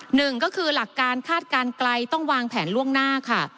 หนึ่งก็คือหลักการคาดการณ์ไกลต้องวางแผนล่วงหน้าค่ะ